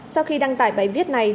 sau khi đăng tải bài viết này